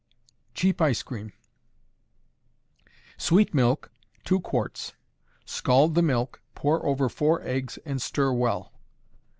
Cheap Ice Cream. Sweet milk, two quarts. Scald the milk, pour over four eggs, and stir well.